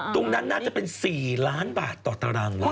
ตรงนั้นน่าจะเป็น๔ล้านบาทต่อตารางวา